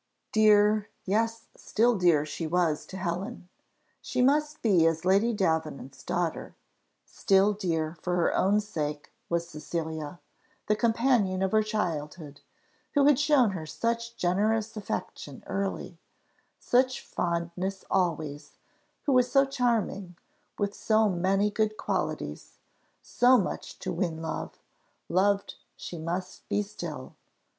Dear! yes, still dear she was to Helen she must be as Lady Davenant's daughter still dear for her own sake was Cecilia, the companion of her childhood, who had shown her such generous affection early, such fondness always, who was so charming, with so many good qualities, so much to win love loved she must be still.